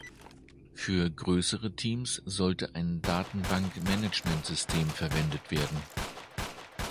Für größere Teams sollte ein Datenbankmanagementsystem verwendet werden.